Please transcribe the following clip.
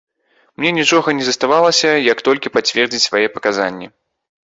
І мне нічога не заставалася, як толькі пацвердзіць свае паказанні.